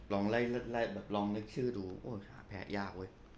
ลองเล่นชื่อดูแพะยากเว้ย